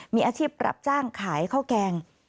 มีอาชีพรับจ้างขายข้าวแกง